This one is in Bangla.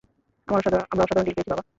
আমরা অসাধারণ ডিল পেয়েছি, বাবা।